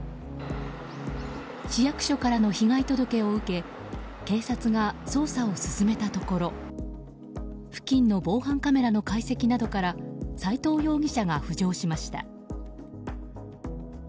市役所からの被害届を受け警察が捜査を進めたところ付近の防犯カメラの解析などから斎藤容疑者が浮上しました。